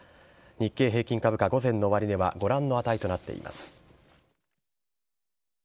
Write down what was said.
日経平均株価、午前の終値はご覧の値となっています。